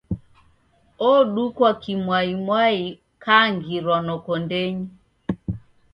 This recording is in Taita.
Odukwa kimwaimwai kangirwa noko ndenyi.